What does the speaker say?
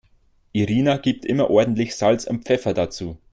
Irina gibt immer ordentlich Salz und Pfeffer dazu.